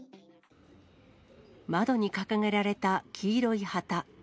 窓に掲げられた黄色い旗。